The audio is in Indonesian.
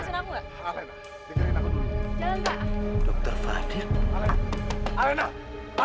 tidak apa apa lepaskan aku